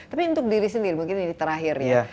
tapi untuk diri sendiri mungkin ini terakhir ya